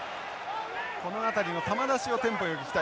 この辺りの球出しをテンポよくいきたい。